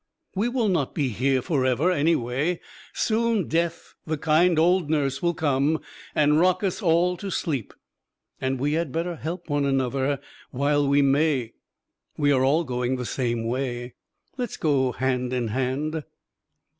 We will not be here forever, anyway; soon Death, the kind old Nurse, will come and rock us all to sleep, and we had better help one another while we may: we are going the same way let's go hand in hand!